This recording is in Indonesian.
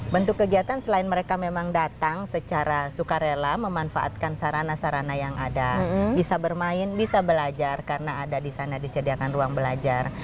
bentuk kegiatan selain mereka memang datang secara sukarela memanfaatkan sarana sarana yang ada bisa bermain bisa belajar karena ada di sana disediakan ruang belajar